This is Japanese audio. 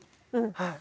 はい。